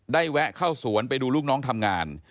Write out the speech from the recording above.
แวะเข้าสวนไปดูลูกน้องทำงาน